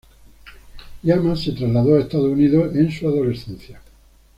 Llamas se trasladó a Estados Unidos en su adolescencia.